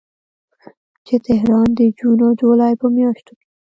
چې تهران د جون او جولای په میاشتو کې